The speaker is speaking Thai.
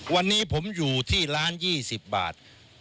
วันนี้ผมอยู่ที่ร้าน๒๐บาท